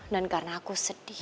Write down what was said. dan karena aku sedih